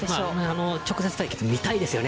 直接対決が見たいです。